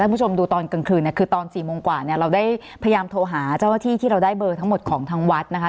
คุณผู้ชมดูตอนกลางคืนเนี่ยคือตอน๔โมงกว่าเนี่ยเราได้พยายามโทรหาเจ้าหน้าที่ที่เราได้เบอร์ทั้งหมดของทางวัดนะคะ